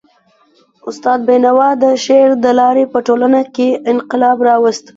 استاد بینوا د شعر د لاري په ټولنه کي انقلاب راوست.